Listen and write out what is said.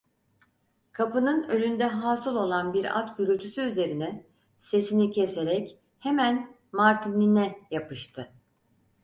Kapının önünde hâsıl olan bir at gürültüsü üzerine sesini keserek hemen martinine yapıştı.